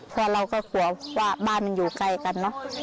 เพราะเราก็กลัวว่าบ้านมันอยู่ใกล้กันเนอะ